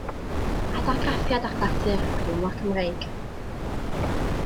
Adargraffiad o'r clasur o hiwmor Cymreig.